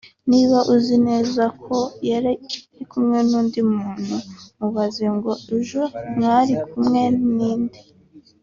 Niba ubizi neza ko yari ari kumwe n’undi muntu mubaze ngo ujwo mwari kumwe ni nde